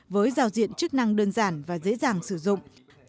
với giao diện chức năng đơn giản và dễ dàng sử dụng